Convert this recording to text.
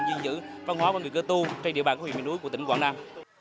duy trì văn hóa của người cơ tu trên địa bàn của huyện miền núi của tỉnh quảng nam